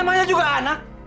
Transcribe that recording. namanya juga anak